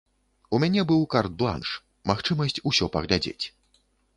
У мяне быў карт-бланш, магчымасць усё паглядзець.